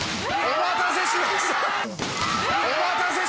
お待たせしました！